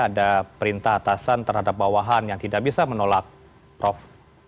ada perintah atasan terhadap bawahan yang tidak bisa menolak prof